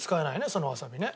そのわさびね。